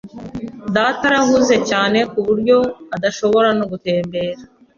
Data arahuze cyane kuburyo adashobora no gutembera.